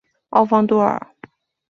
奥方多尔。